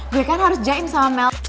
gue kan harus jaim sama mel